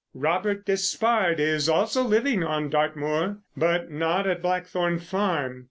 Robert Despard is also living on Dartmoor—but not at Blackthorn Farm.